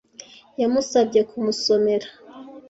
Yamusabye kumusomera.